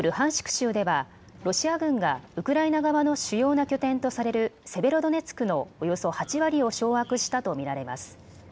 州ではロシア軍がウクライナ側の主要な拠点とされるセベロドネツクのおよそ８割を掌握したと見られます。